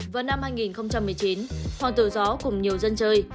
vào năm hai nghìn một mươi chín hoàng tử gió cùng nhiều dân chơi